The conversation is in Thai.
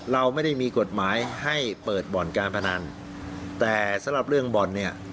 เราไม่ได้มีกฎหมายให้เปิดบ่อนการพนันแต่สำหรับเรื่องบ่อนเนี่ย